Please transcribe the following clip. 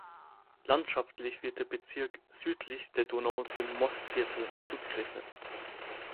Landschaftlich wird der Bezirk südlich der Donau dem Mostviertel zugerechnet.